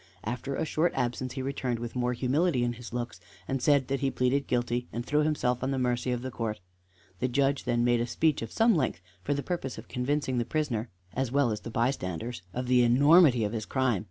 After a short absence he returned with more humility in his looks, and said that he pleaded guilty, and threw himself on the mercy of the court. The Judge then made a speech of some length, for the purpose of convincing the prisoner, as well as the bystanders, of the enormity of his crime.